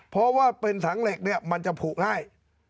เพราะว่าเป็นถังเหล็กเนี่ยมันจะผูกให้